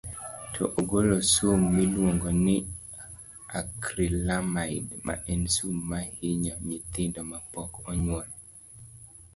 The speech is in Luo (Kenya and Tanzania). to ogolo sum miluongo ni Acrylamide, ma en sum ma hinyo nyithindo mapok onyuol.